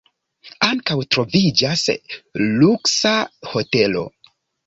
Ankaŭ troviĝas luksa hotelo.